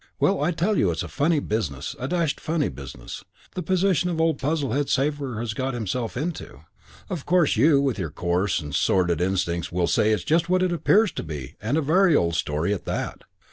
Well, I tell you it's a funny business a dashed funny business, the position old Puzzlehead Sabre has got himself into. Of course you, with your coarse and sordid instincts, will say it's just what it appears to be and a very old story at that.